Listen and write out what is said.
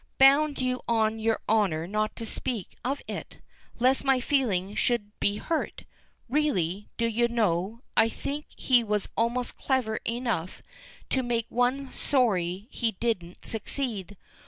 Bound you on your honor not to speak of it, lest my feelings should be hurt. Really, do you know, I think he was almost clever enough to make one sorry he didn't succeed.